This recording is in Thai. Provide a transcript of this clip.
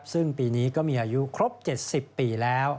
ซึ่งปีนี้ก็มีอายุครบ๗๐ปีแล้ว